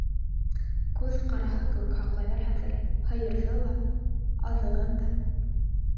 Күҙ ҡараһы кеүек һаҡлайҙар хәҙер һыйырҙы ла, аҙығын да.